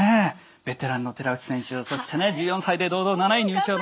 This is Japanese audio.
ベテランの寺内選手やそして１４歳で堂々の７位入賞の玉井選手。